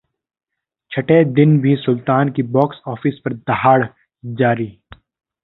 छठे दिन भी 'सुल्तान' की बॉक्स ऑफिस पर दहाड़ जारी